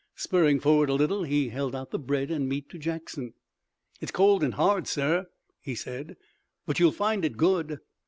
Spurring forward a little he held out the bread and meat to Jackson. "It's cold and hard, sir," he said, "but you'll find it good."